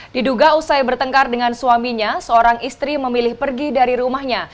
diduga usai bertengkar dengan suaminya seorang istri memilih pergi dari rumahnya